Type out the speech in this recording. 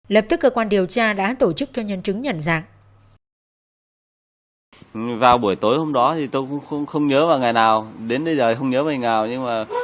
lập tức cơ quan điều tra đã tổ chức cho nhân chứng nhận dạng